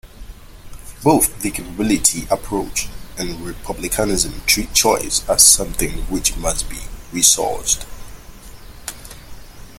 Both the capability approach and republicanism treat choice as something which must be resourced.